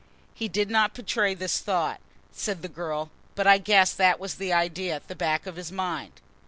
He did not betray this thought," said the girl, "but I guessed that that was the idea at the back of his mind...."